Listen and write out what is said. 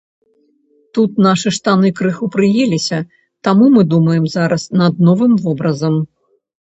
Тут нашы штаны крыху прыеліся, таму мы думаем зараз над новым вобразам.